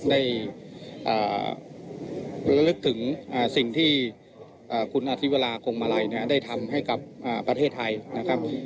ได้ระลึกถึงสิ่งที่คุณอธิวราคงมาลัยได้ทำให้กับประเทศไทยนะครับ